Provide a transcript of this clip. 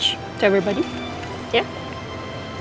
untuk semua orang